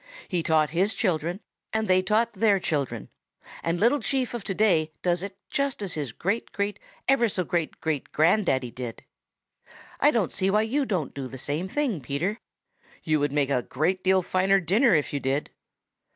He taught his children and they taught their children, and Little Chief of today does it just as his great great ever so great grand daddy did. I don't see why you don't do the same thing, Peter. You would make me a great deal finer dinner if you did."